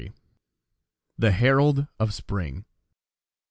THE HERALD OF SPRING.